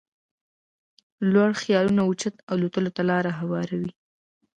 لوړ خيالونه اوچت الوت ته لاره هواروي.